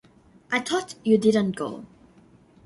I thought you didn't go.